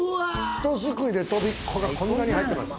ひとすくいでとびこがこんなに入ってます。